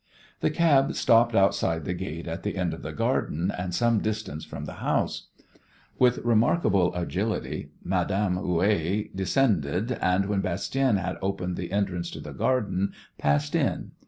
The cab stopped outside the gate at the end of the garden and some distance from the house. With remarkable agility Madame Houet descended, and when Bastien had opened the entrance to the garden passed in.